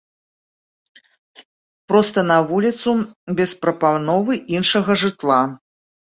Проста на вуліцу, без прапановы іншага жытла.